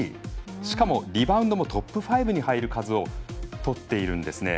しかもリバウンドもトップ５に入る数をとっているんですね。